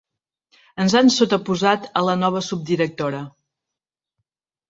Ens han sotaposat a la nova subdirectora.